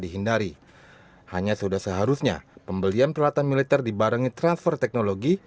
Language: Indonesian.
dihindari hanya sudah seharusnya pembelian peralatan militer dibarengi transfer teknologi